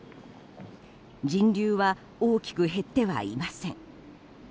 人流は大きく減ってはいません。